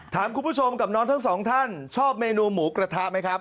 ถามคุณผู้ชมกับน้องทั้งสองท่านชอบเมนูหมูกระทะไหมครับ